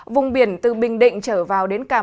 vùng biển từ bình định trở vào đến cà mau